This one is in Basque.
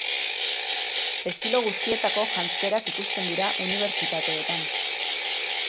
Estilo guztietako janzkerak ikusten dira unibertsitateetan.